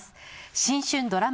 『新春ドラマ